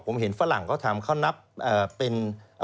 ผมเห็นฝรั่งเขาทำเขานับเป็น